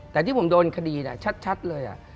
แต่ที่ผมโดนคดีชัดเลย